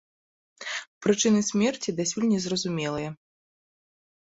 Прычыны смерці дасюль не зразумелыя.